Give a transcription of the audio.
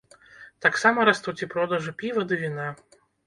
Таксама растуць і продажы піва ды віна.